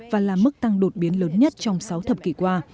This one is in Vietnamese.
và là mức tăng đột biến lớn nhất trong sáu thập kỷ qua